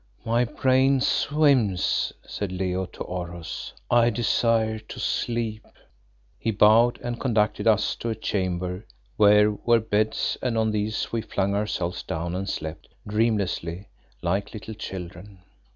"My brain swims," said Leo to Oros, "I desire to sleep." He bowed and conducted us to a chamber where were beds, and on these we flung ourselves down and slept, dreamlessly, like little children.